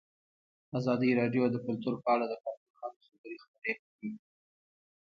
ازادي راډیو د کلتور په اړه د کارپوهانو خبرې خپرې کړي.